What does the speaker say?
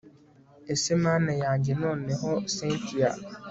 ese mana yanjye noneho cyntia